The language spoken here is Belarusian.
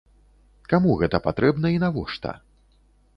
Каму гэта патрэбна і навошта?